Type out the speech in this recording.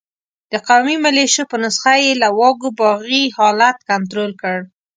د قومي ملېشو په نسخه یې له واګو باغي حالت کنترول کړ.